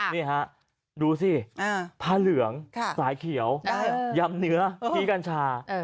นี่ฮะดูสิผ้าเหลืองสายเขียวยำเนื้อพี่กัญชา